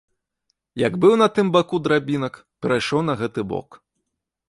Як быў на тым баку драбінак, перайшоў на гэты бок.